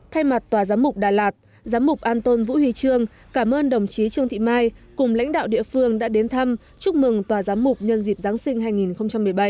thay mặt tòa giám mục đà lạt giám mục an tôn vũ huy trương cảm ơn đồng chí trương thị mai cùng lãnh đạo địa phương đã đến thăm chúc mừng tòa giám mục nhân dịp giáng sinh hai nghìn một mươi bảy